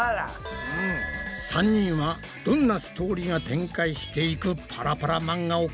３人はどんなストーリーが展開していくパラパラ漫画を考えているんだ？